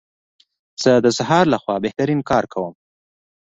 زه د سهار لخوا بهترین کار کوم.